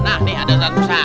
nah nih ada satu ustazah